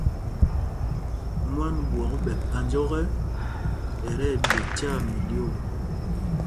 Mwân ɓwɔ̄k ɓɛ̌ phānj ɔ́kɛ, ɛ tí ɛɓye tyaa mɛlyoo.